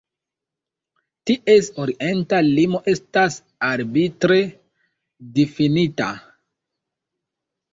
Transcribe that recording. Ties orienta limo estas arbitre difinita.